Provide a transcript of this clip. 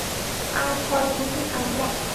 আর ফল ভুগি আমরা।